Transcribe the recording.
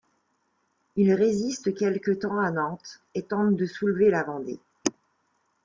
Il résiste quelque temps à Nantes et tente de soulever la Vendée.